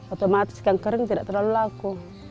otomatis yang kering tidak terlalu laku